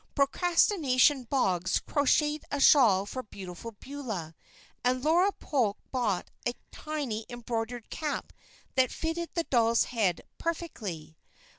Procrastination Boggs crocheted a shawl for Beautiful Beulah and Laura Polk brought a tiny embroidered cap that fitted the doll's head perfectly.